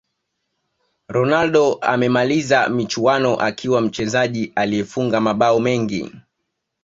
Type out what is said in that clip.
ronaldo amemaliza michuano akiwa mchezaji aliyefunga mabao mengi